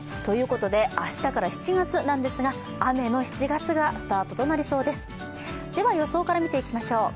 明日から、７月なんですが、雨の７月がスタートとなりそうですでは予想から見ていきましょう。